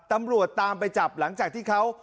ตำรวจตามไปจับหลังจากที่เขา